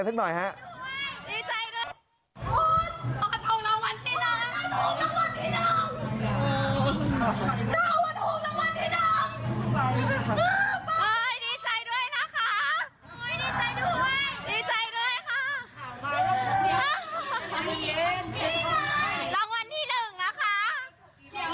รางวัลที่หนึ่งเข้าร้านแม่เจ้าเมียสะขาห้า